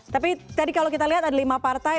tapi tadi kalau kita lihat ada lima partai